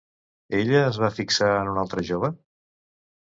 Ella es va fixar en un altre jove?